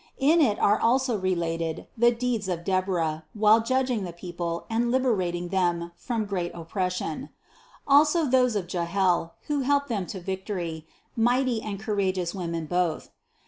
In it are also related the deeds of Deborah while judging the people and liberating them from great oppression; also those of Jahel, who helped them to victory, mighty and courageous women both.